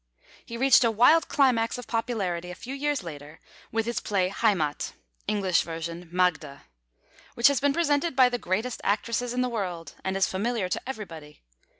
He reached a wild climax of popularity a few years later with his play Heimat (English version Magda), which has been presented by the greatest actresses in the world, and is familiar to everybody.